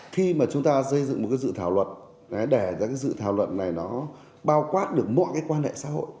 khi mà chúng ta xây dựng một dự thảo luận để dự thảo luận này bao quát được mọi quan hệ xã hội